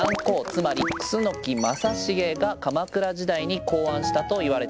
つまり楠木正成が鎌倉時代に考案したといわれています。